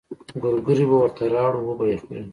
ګورګورې به ورته راوړو وبه يې خوري.